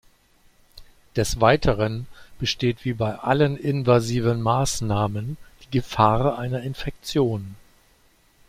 Des Weiteren besteht wie bei allen invasiven Maßnahmen die Gefahr einer Infektion.